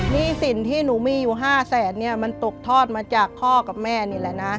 หนี้สินที่หนูมีอยู่๕แสนเนี่ยมันตกทอดมาจากพ่อกับแม่นี่แหละนะ